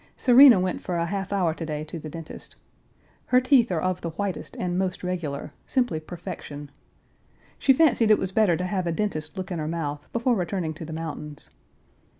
Serena went for a half hour to day to the dentist. Her teeth are of the whitest and most regular, simply perfection. She fancied it was better to have a dentist look in her mouth before returning to the mountains.